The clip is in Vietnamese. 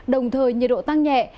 đồng thời nhiệt độ tăng nhẹ